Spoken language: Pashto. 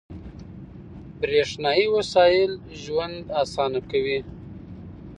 • برېښنايي وسایل ژوند اسانه کوي.